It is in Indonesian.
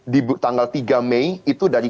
di tanggal tiga mei itu dari